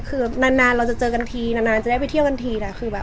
คือนานเราจะเจอกันทีนานจะได้ไปเที่ยวกันที